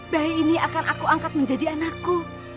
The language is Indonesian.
bayi ini akan aku angkat menjadi anakku